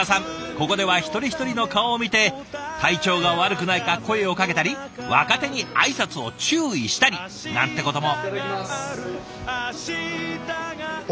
ここでは一人一人の顔を見て体調が悪くないか声をかけたり若手に挨拶を注意したりなんてことも。